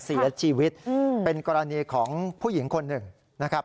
เสียชีวิตเป็นกรณีของผู้หญิงคนหนึ่งนะครับ